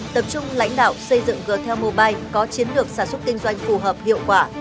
tập trung lãnh đạo xây dựng g tel mobile có chiến lược sản xuất kinh doanh phù hợp hiệu quả